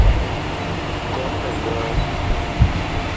Kon me ñgoo!